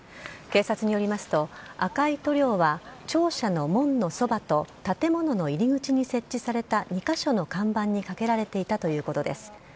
警察によりますと、赤い塗料は庁舎の門のそばと、建物の入り口に設置された２か所の看板にかけられていたということです。